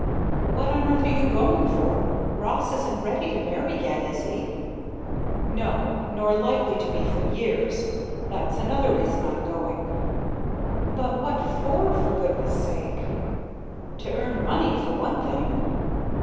"What on earth are you going for? Ross isn't ready to marry yet, is he?" "No nor likely to be for years. That's another reason I'm going." "But what for, for goodness sake." "To earn money for one thing."